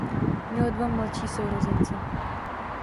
Měl dva mladší sourozence.